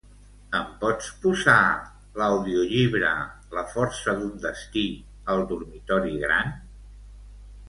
Em pots posar l'audiollibre "La força d'un destí" al dormitori gran?